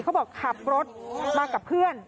เขาบอกขับรถมากับเพื่อน